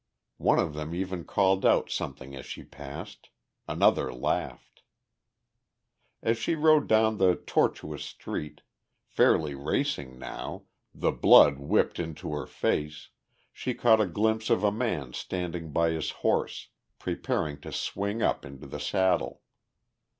One of them even called out something as she passed; another laughed. As she rode down the tortuous street, fairly racing now, the blood whipped into her face, she caught a glimpse of a man standing by his horse, preparing to swing up into the saddle.